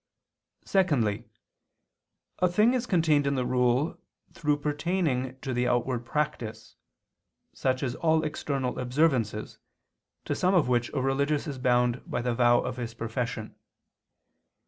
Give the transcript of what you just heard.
Secondly, a thing is contained in the rule through pertaining to the outward practice, such as all external observances, to some of which a religious is bound by the vow of his profession.